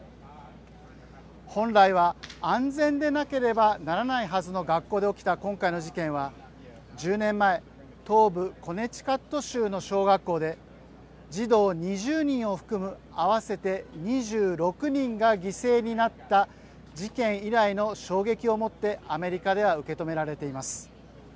本来は安全でなければならないはずの学校で起きた今回の事件は１０年前東部コネチカット州の小学校で児童２０人を含む合わせて２６人が犠牲になった事件以来の衝撃をもってアメリカでは受け止められています。